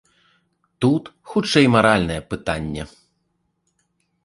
Тут хутчэй маральнае пытанне.